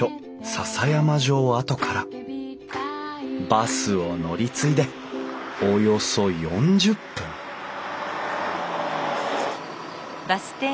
篠山城跡からバスを乗り継いでおよそ４０分着いた。